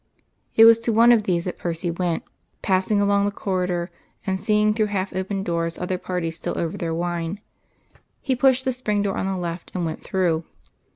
It was to one of these that Percy went, passing along the corridor, and seeing through half opened doors other parties still over their wine. He pushed the spring door on the left and went through.